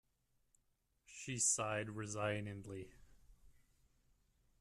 She sighed resignedly.